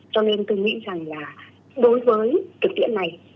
cho nên tôi nghĩ rằng là đối với thực tiễn này